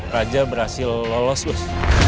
raja berhasil lolos bos